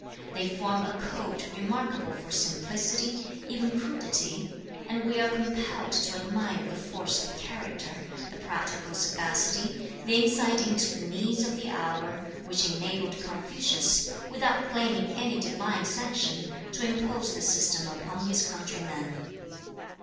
They form a code remarkable for simplicity, even crudity, and we are compelled to admire the force of character, the practical sagacity, the insight into the needs of the hour, which enabled Confucius, without claiming any Divine sanction, to impose this system upon his countrymen.